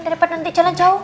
daripada nanti jalan jauh